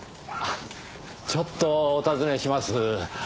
ちょっとお尋ねします。